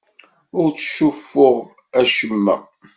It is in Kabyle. Ur ttcuffuɣ acemma.